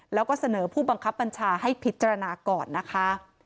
แล้วก็เสนอผู้บังคับบัญชาให้พิจารณาก่อนนะคะ